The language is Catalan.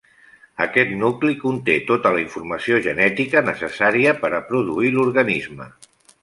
Aquest nucli conté tota la informació genètica necessària per a produir l'organisme.